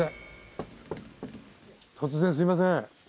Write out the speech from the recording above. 突然すいません。